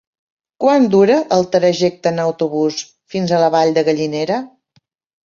Quant dura el trajecte en autobús fins a la Vall de Gallinera?